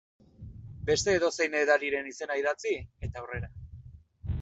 Beste edozein edariren izena idatzi, eta aurrera.